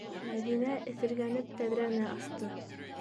- Мәҙинә эҫергәнеп тәҙрәне асты.